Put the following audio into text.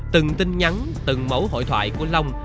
từng tin nhắn từng mẫu hội thoại của long